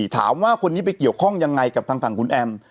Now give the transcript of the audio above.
ถามว่าคนนี้ไปเกี่ยวข้องยังไงกับทางฝั่งคุณแอม